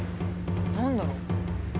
何だろう？